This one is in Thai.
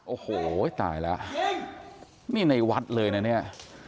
โอ้โหตายแล้วนี่ในวัดเลยนะเนี่ย